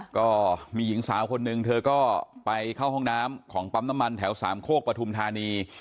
ก็มีหญิงสาวคนนึงเธอก็ไปเข้าห้องน้ำของปั๊มน้ำมันแถวสามโคกปฐุมธานี